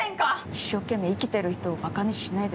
一生懸命生きてる人をバカにしないで。